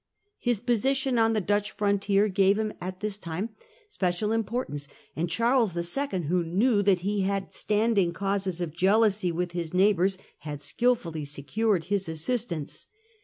His position on the Dutch frontier gave him at this time special importance, and Charles II., who knew that he had standing causes of jealousy with his neighbours, had skilfully secured his assistance.